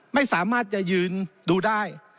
ไม่สามารถจะยืนดูได้